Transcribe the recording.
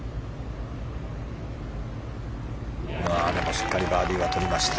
しっかりバーディーはとりました。